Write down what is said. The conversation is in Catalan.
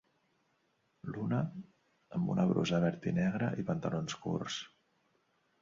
L'una, amb una brusa verd-i-negra i pantalons curts.